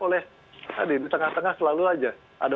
oleh tadi di tengah tengah selalu aja ada